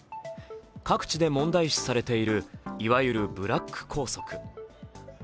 各地で問題視されているいわゆるブラック校則。